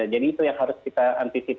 jadi itu yang harus kita anggap